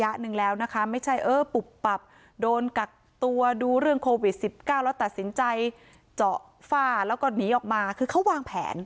แล้วนะคะไม่ใช่เออปุบปับโดนกักตัวดูเรื่องโควิด๑๙แล้วตัดสินใจเจาะฝ้าแล้วก็หนีออกมาคือเขาวางแผน